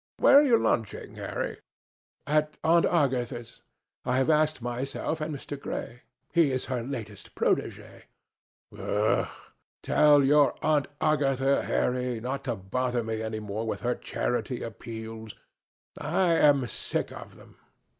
"Where are you lunching, Harry?" "At Aunt Agatha's. I have asked myself and Mr. Gray. He is her latest protégé." "Humph! tell your Aunt Agatha, Harry, not to bother me any more with her charity appeals. I am sick of them.